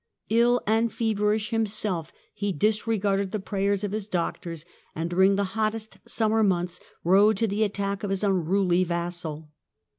Ill and feverish himself, he disregarded the prayers of his doctors, and during the hottest summer months rode to the attack of his unruly vassal.